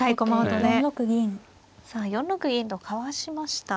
さあ４六銀とかわしました。